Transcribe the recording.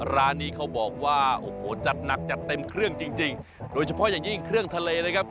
ร้านนี้เขาบอกว่าจัดหนักใจเต็มเพราะจริงโดยเฉพาะยังยิ่งเครื่องทะเลครับ